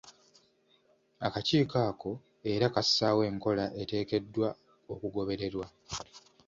Akakiiko ako era kassaawo enkola eteekeddwa okugobererwa.